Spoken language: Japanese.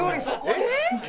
「えっ！？」